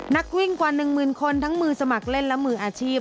นักวิ่งกว่า๑หมื่นคนทั้งมือสมัครเล่นและมืออาชีพ